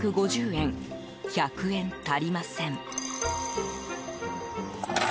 １００円足りません。